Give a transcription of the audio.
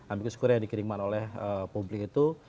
ambigus kure yang dikirimkan oleh publik itu